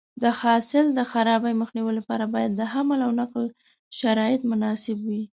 د حاصل د خرابي مخنیوي لپاره باید د حمل او نقل شرایط مناسب وي.